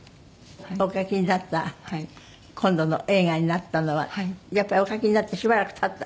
お書きになった今度の映画になったのはやっぱりお書きになってしばらく経った？